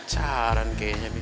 acaran kayaknya nih